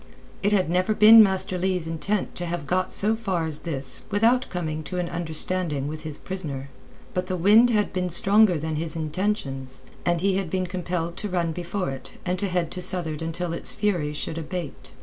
It had never been Master Leigh's intent to have got so far as this without coming to an understanding with his prisoner. But the wind had been stronger than his intentions, and he had been compelled to run before it and to head to southward until its fury should abate.